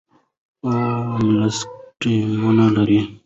او مسلکي ټیمونه لري،